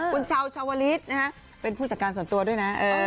คุณชาวชาวลิศเป็นผู้จัดการส่วนตัวด้วยนะ